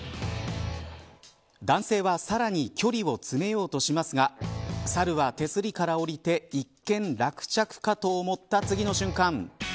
男性はさらに距離を詰めようとしますがサルは手すりから降りて一件落着かと思った次の瞬間。